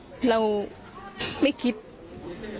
เนื่องจากนี้ไปก็คงจะต้องเข้มแข็งเป็นเสาหลักให้กับทุกคนในครอบครัว